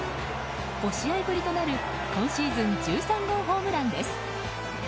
５試合ぶりとなる今シーズン１３号ホームランです。